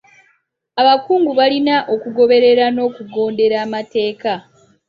Abakungu balina okugoberera n'okugondera amateeka.